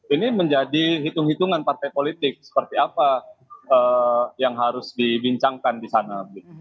ini menjadi hitung hitungan partai politik seperti apa yang harus dibincangkan di sana